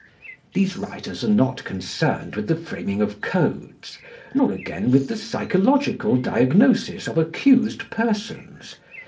These writers are not concerned with the framing of codes, nor again with the psychological diagnosis of accused persons.